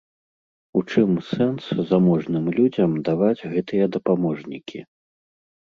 У чым сэнс заможным людзям даваць гэтыя дапаможнікі?